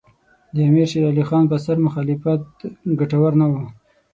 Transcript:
د امیر شېر علي خان پر سر مخالفت ګټور نه وو.